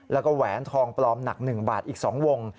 แล้วก็แหวนทองปลอมหนัก๑บาทอีก๒วง